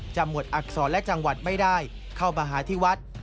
หมวดอักษรและจังหวัดไม่ได้เข้ามาหาที่วัด